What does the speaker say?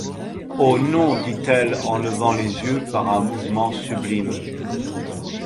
Oh ! non, dit-elle, en levant les yeux par un mouvement sublime.